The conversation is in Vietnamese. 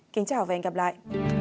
kính chào và hẹn gặp lại